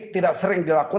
tidak sering dilakukan